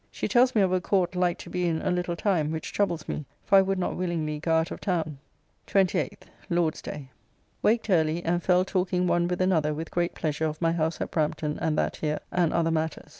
She tells me of a Court like to be in a little time, which troubles me, for I would not willingly go out of town. 28th (Lord's day). Waked early, and fell talking one with another with great pleasure of my house at Brampton and that here, and other matters.